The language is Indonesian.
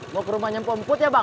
mau ke rumah nyempo mput ya bang